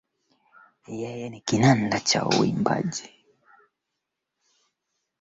mpaka wa sasa na kwa hivyo sasa tumepata rusha